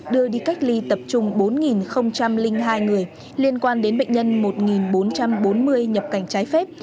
đưa đi cách ly tập trung bốn hai người liên quan đến bệnh nhân một bốn trăm bốn mươi nhập cảnh trái phép